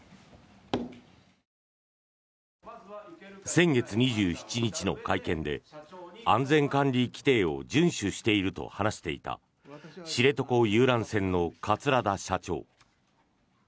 先月２７日の会見で安全管理規程を順守していると話していた知床遊覧船の桂田社長。